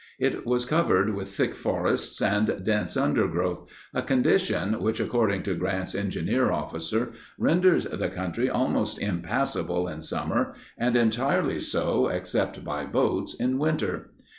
It was covered with thick forests and dense undergrowth, a condition, which, according to Grant's engineer officer, "renders the country almost impassable in summer, and entirely so, except by boats, in winter."